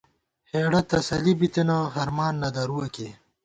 ہېڑہ تسلی بِتَنہ ، ہرمان نہ درُوَہ کی